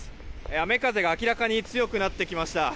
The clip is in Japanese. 雨風が明らかに強くなってきました。